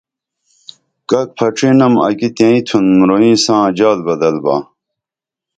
کک پھچھی نم اکی تئیں تُھن مُروئیں ساں جال بدل با